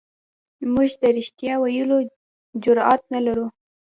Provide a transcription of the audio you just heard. موږ د رښتیا ویلو جرئت نه لرو.